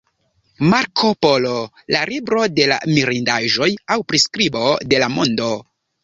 Marko Polo: La libro de la mirindaĵoj aŭ priskribo de la mondo.